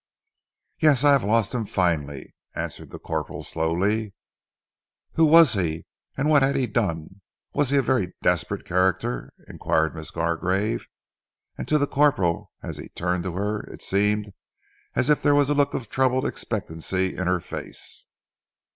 "Yes, I have lost him finally," answered the corporal slowly. "Who was he? What had he done? Was he a very desperate character?" inquired Miss Gargrave, and to the corporal as he turned to her it seemed as if there was a look of troubled expectancy in her face.